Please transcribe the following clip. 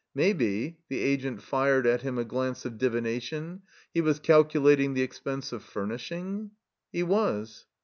Maybe (the Agent fired at him a glance of divination) he was calculating the expense of furnishing? He was.